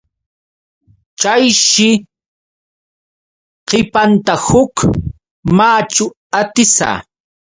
Chayshi qipanta huk machu atisa.